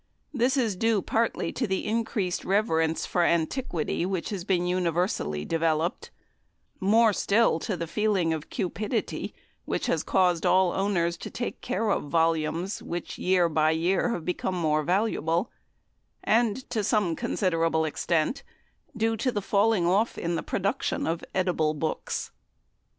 This is due partly to the increased reverence for antiquity which has been universally developed more still to the feeling of cupidity, which has caused all owners to take care of volumes which year by year have become more valuable and, to some considerable extent, to the falling off in the production of edible books.